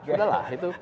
udah lah itu